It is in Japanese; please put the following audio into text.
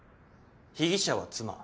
被疑者は妻。